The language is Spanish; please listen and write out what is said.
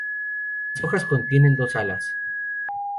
Las hojas contienen dos alas.